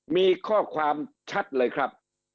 มีข้อความชัดเลยครับ